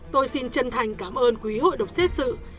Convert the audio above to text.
tôi xin chân thành cảm ơn quý hội đồng xét xử